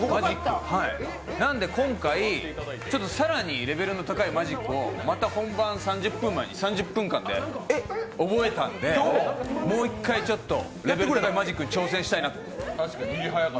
なので今回、ちょっと更にレベルの高いマジックをまた本番３０分前に３０分間で覚えたんでもう一回レベルの高いマジックに挑戦したいなと。